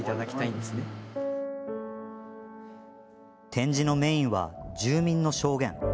展示のメインは住民の証言。